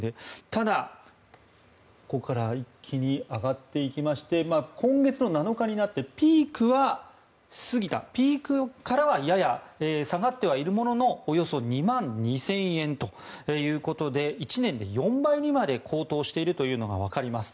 ただ、ここから一気に上がっていきまして今月７日になってピークは過ぎてピークからはやや下がってはいるもののおよそ２万２０００円ということで１年で４倍にまで高騰していることが分かります。